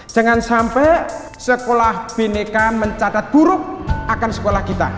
jangan sampai sekolah bineka mencatat buruk akan sekolah kita